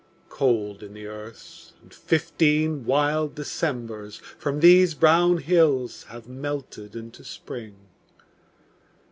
Cold in the earth, and fifteen wild Decembers From these brown hills have melted into Spring.